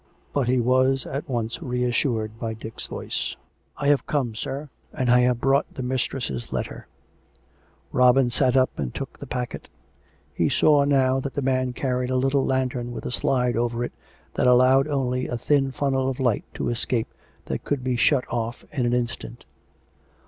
But he was at once reassured by Dick's voice. " I have come, sir ; and I have brought the mistress' letter." Robin sat up and took the packet. He saw now that the man carried a little lantern with a slide over it that allowed only a thin funnel of light to escape that could be shut off in an instant.